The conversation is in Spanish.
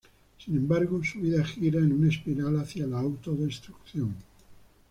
Sin embargo, su vida gira en un espiral hacia la autodestrucción.